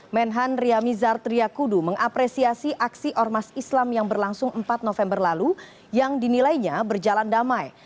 menhan riamizar triakudu mengapresiasi aksi ormas islam yang berlangsung empat november lalu yang dinilainya berjalan damai